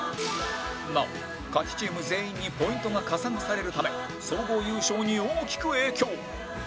なお勝ちチーム全員にポイントが加算されるため総合優勝に大きく影響